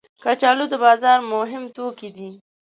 کچالو د بازار مهم توکي دي